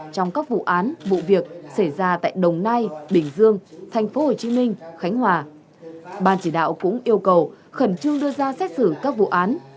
trong các vụ án vụ việc xảy ra tại đồng nai bình dương tp hcm khánh hòa ban chỉ đạo cũng yêu cầu khẩn trương đưa ra xét xử các vụ án